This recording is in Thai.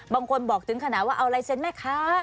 บางคนบอกถึงขนาดว่าเอาลายเซ็นต์แม่ค้า